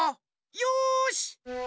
よし！